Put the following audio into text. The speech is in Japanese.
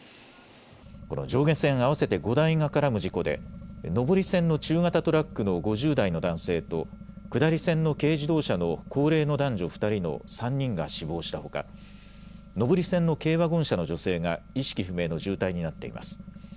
この上下線合わせて５台が絡む事故で上り線の中型トラックの５０代の男性と下り線の軽自動車の高齢の男女２人の３人が死亡したほか上り線の軽ワゴン車の女性が意識不明の重体になっています。